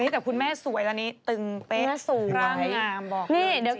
แต่คุณแม่สวยแล้วนี้ตึงเป็นร่างงามบอกเลยจริง